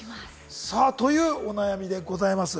というお悩みでございます。